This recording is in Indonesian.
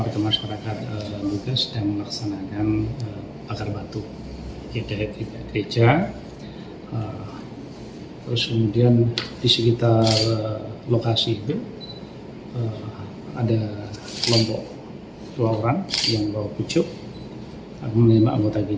kami berhasil menembak satu mobil